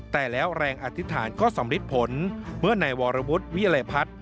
แต่แล้วแรงอธิษฐานก็สำริดผลเมื่อนายวรวุฒิวิลัยพัฒน์